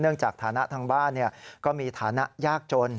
เนื่องจากฐานะทางบ้านเนี่ยก็มีฐานะยากจน